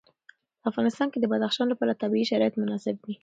په افغانستان کې د بدخشان لپاره طبیعي شرایط مناسب دي.